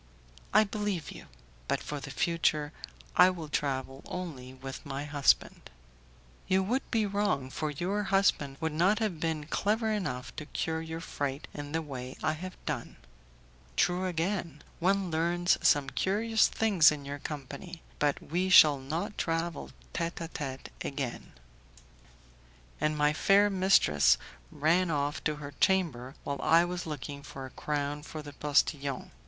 "I believe you; but for the future I will travel only with my husband." "You would be wrong, for your husband would not have been clever enough to cure your fright in the way I have done." "True, again. One learns some curious things in your company; but we shall not travel tete a tete again." We reached Pasean an hour before our friends. We get out of the chaise, and my fair mistress ran off to her chamber, while I was looking for a crown for the postillion.